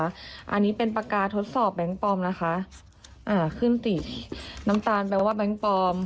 อันนี้เป็นปากกาทดสอบแบงค์ปลอมนะคะอ่าขึ้นติดน้ำตาลแปลว่าแบงค์ปลอม